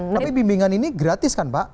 tapi bimbingan ini gratis kan pak